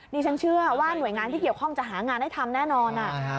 นี่ฉันเชื่อว่าหน่วยงานที่เกี่ยวข้องจะหางานให้ทำแน่นอน